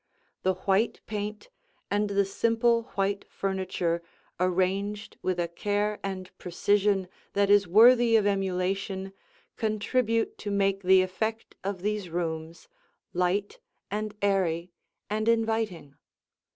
The white paint and the simple white furniture arranged with a care and precision that is worthy of emulation contribute to make the effect of these rooms light and airy and inviting.